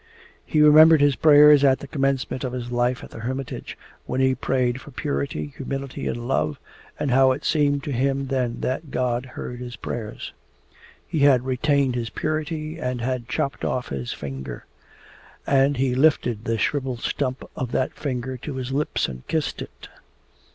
He remembered his prayers at the commencement of his life at the hermitage, when he prayed for purity, humility, and love, and how it seemed to him then that God heard his prayers. He had retained his purity and had chopped off his finger. And he lifted the shrivelled stump of that finger to his lips and kissed it.